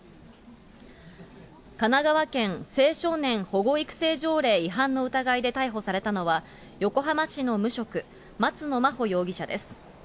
神奈川県青少年保護育成条例違反の疑いで逮捕されたのは、横浜市の無職、松野真帆容疑者です。